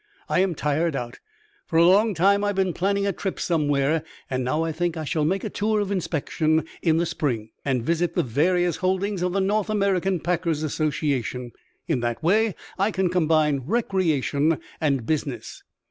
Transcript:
I am tired out. For a long time I have been planning a trip somewhere, and now I think I shall make a tour of inspection in the spring and visit the various holdings of the North American Packers' Association. In that way I can combine recreation and business."